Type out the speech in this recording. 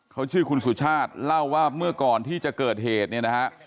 เขาชื่อคุณสุชาติเล่าว่าเมื่อก่อนที่จะเกิดเหตุเนี่ยนะฮะ